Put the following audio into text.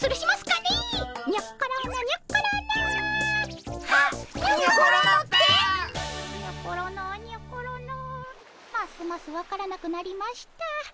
ますます分からなくなりました。